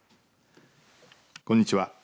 こんにちは。